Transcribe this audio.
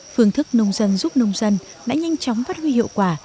phương thức nông dân giúp nông dân đã nhanh chóng phát huy hiệu quả